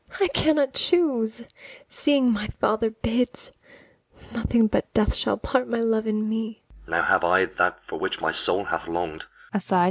ABIGAIL. I cannot choose, seeing my father bids: Nothing but death shall part my love and me. LODOWICK. Now have I that for which my soul hath long'd.